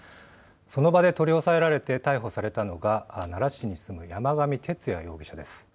その場で取り押さえられて逮捕されたのが、奈良市に住む山上徹也容疑者です。